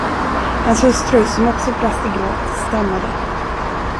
Hans hustru, som också brast i gråt, stammade.